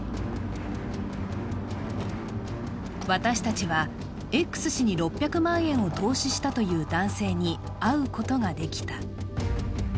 私たちはＸ氏に６００万円を投資したという男性に会うことができた。